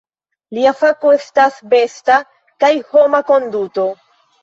Lia fako estas besta kaj homa konduto.